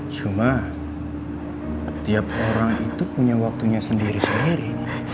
cuma tiap orang itu punya waktunya sendiri sendiri